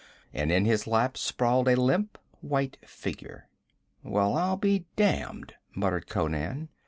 And in his lap sprawled a limp white figure. 'Well, I'll be damned!' muttered Conan.